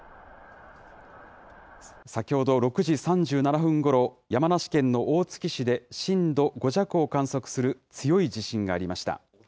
先ほど６時３７分ごろ、山梨県の大月市で震度５弱を観測する強い地震がありました。